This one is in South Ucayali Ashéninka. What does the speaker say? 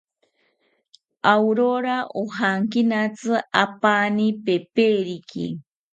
Aurora ojankinatzi apani peperiki